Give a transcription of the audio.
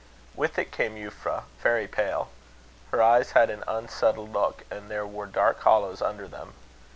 With it came Euphra, very pale. Her eyes had an unsettled look, and there were dark hollows under them.